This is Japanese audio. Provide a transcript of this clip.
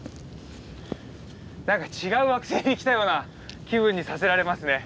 何か違う惑星に来たような気分にさせられますね。